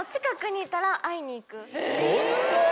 ホント？